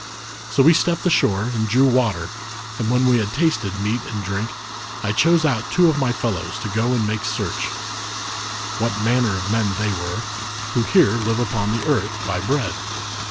So we stepped ashore and drew water, and when we had tasted meat and driuk, I chose out two of my fellows to go and make search, what manner of men they were, who here live upon the earth, by bread.